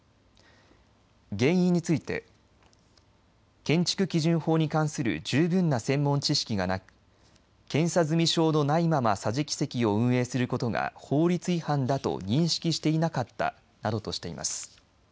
原因について建築基準法に関する十分な専門知識がなく検査済証のないまま桟敷席を運営することが法律違反だと認識していなかったなどとしています。